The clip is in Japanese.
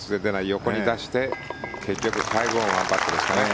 横に出して結局５オン１パットですかね。